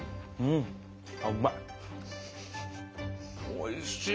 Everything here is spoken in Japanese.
おいしい！